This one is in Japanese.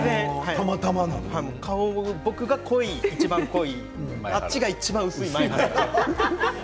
僕が顔がいちばん濃いあっちがいちばん薄い。